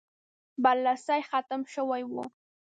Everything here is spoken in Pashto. برلاسی ختم شوی وو.